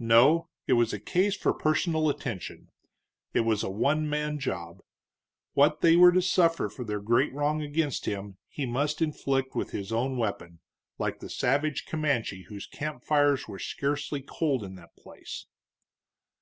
No, it was a case for personal attention; it was a one man job. What they were to suffer for their great wrong against him, he must inflict with his own weapon, like the savage Comanche whose camp fires were scarcely cold in that place.